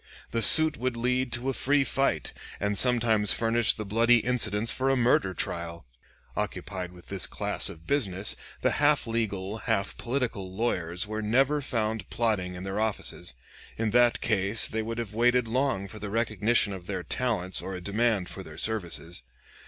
The suit would lead to a free fight, and sometimes furnish the bloody incidents for a murder trial. Occupied with this class of business, the half legal, half political lawyers were never found plodding in their offices. In that case they would have waited long for the recognition of their talents or a demand for their services.